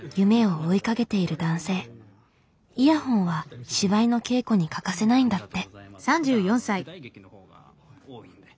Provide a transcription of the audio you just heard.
イヤホンは芝居の稽古に欠かせないんだって。